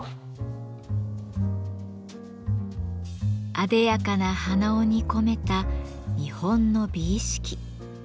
あでやかな鼻緒に込めた日本の美意識。